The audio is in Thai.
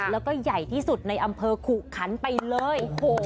แล้วก็ใหญ่ที่สุดในอำเภอขุขันไปเลย